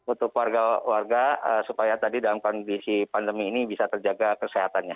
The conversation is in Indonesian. untuk warga warga supaya tadi dalam kondisi pandemi ini bisa terjaga kesehatannya